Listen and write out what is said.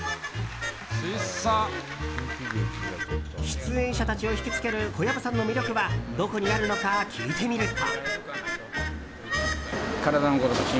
出演者たちを引きつける小籔さんの魅力はどこにあるのか聞いてみると。